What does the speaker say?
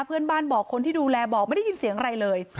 เพื่อนบ้านบอกคนที่ดูแลบอกไม่ได้ยินเสียงอะไรเลย